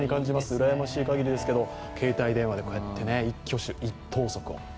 うらやましい限りですけど、携帯電話で一挙手一投足を。